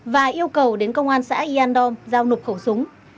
và yêu cầu đến công an xã yàn đom giao nộp khẩu súng